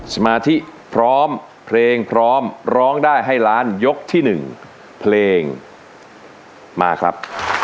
สมาธิพร้อมเพลงพร้อมร้องได้ให้ล้านยกที่๑เพลงมาครับ